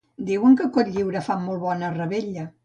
Diu que a Cotlliure fan molt bona revetlla